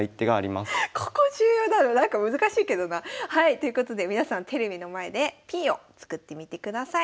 ということで皆さんテレビの前でＰを作ってみてください。